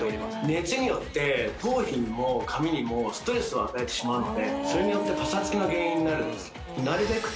熱によって頭皮にも髪にもストレスを与えてしまうのでそれによってパサつきの原因になるんですなるべく